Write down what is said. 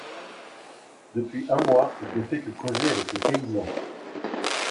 Depuis un mois il ne fait que causer avec les paysans…